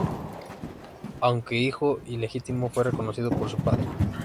Aunque hijo ilegítimo fue reconocido por su padre.